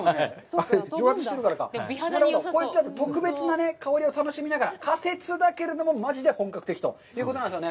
特別な香りを楽しみながら、仮設だけれどもマジで本格的ということなんですよね。